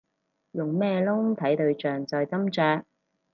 用咩窿睇對象再斟酌